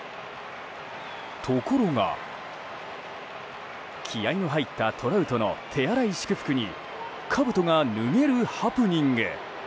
ところが、気合の入ったトラウトの手荒い祝福にかぶとが脱げるハプニング！